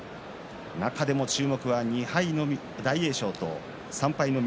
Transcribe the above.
中でも注目は２敗の大栄翔と３敗の翠